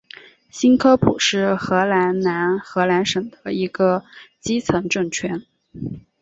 新科普是荷兰南荷兰省的一个基层政权。